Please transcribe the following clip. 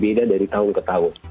beda dari tahun ke tahun